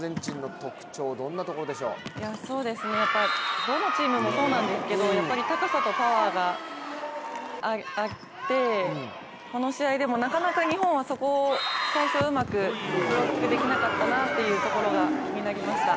やっぱりどのチームもそうなんですけど高さとパワーがあってこの試合でもなかなか日本はそこを最初うまくブロックできなかったなというところが気になりました。